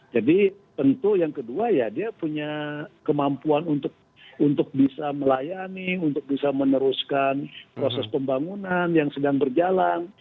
jadi tentu yang kedua ya dia punya kemampuan untuk bisa melayani untuk bisa meneruskan proses pembangunan yang sedang berjalan